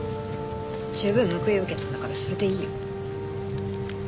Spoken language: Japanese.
十分報いを受けたんだからそれでいいよ。